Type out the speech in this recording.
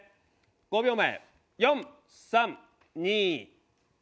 ５秒前４３２。